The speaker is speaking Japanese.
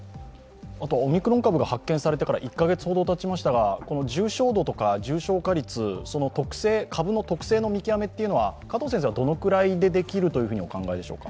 オミクロン株が発見されてから１カ月ほどたちましたが重症度とか重症化率、株の特性の見極めというのは加藤先生はどのくらいでできるとお考えでしょうか。